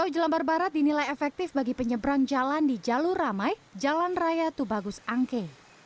jelambar barat dinilai efektif bagi penyeberang jalan di jalur ramai jalan raya tubagus angke